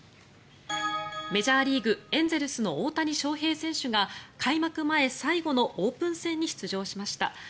メジャーリーグ、エンゼルスの大谷翔平選手が開幕前最後のオープン戦に出場しました。